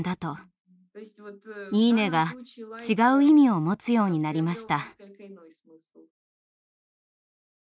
「いいね」が違う意味を持つようになりました。